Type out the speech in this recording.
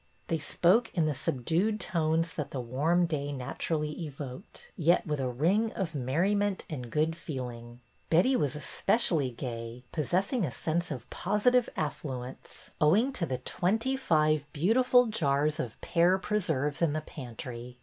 They spoke in the subdued tones that the warm day naturally evoked, yet with a ring of merri ment and good feeling. Betty was especially gay, possessing a sense of positive affluence, owing to 120 BETTY BAIRD'S VENTURES the twenty five beautiful jars of pear preserves in the pantry.